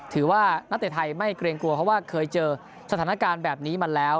ถือว่านักเตะไทยไม่เกรงกลัวเพราะว่าเคยเจอสถานการณ์แบบนี้มาแล้ว